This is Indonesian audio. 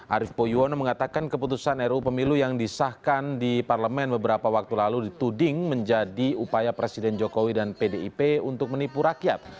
arief poyuono mengatakan keputusan ruu pemilu yang disahkan di parlemen beberapa waktu lalu dituding menjadi upaya presiden jokowi dan pdip untuk menipu rakyat